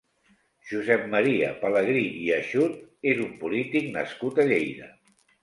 Josep Maria Pelegrí i Aixut és un polític nascut a Lleida.